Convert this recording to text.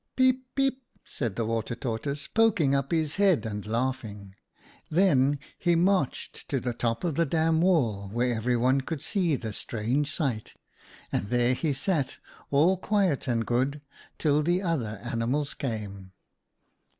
"' Peep, peep !' said the Water Tortoise, poking up his head and laughing. Then he marched to the top of the dam wall where everyone could see the strange sight, and there he sat, all quiet and good, till the other animals came.